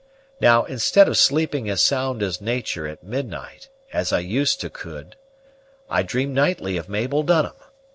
Now, instead of sleeping as sound as natur' at midnight, as I used to could, I dream nightly of Mabel Dunham.